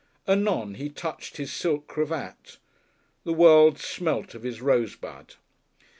Anon he touched his silk cravat. The world smelt of his rosebud.